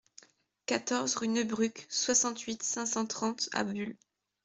quatorze rue Neubruck, soixante-huit, cinq cent trente à Buhl